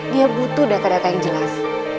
dia butuh data data yang jelas